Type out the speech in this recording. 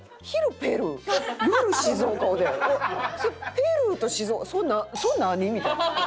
ペルーと静岡それ何？みたいな。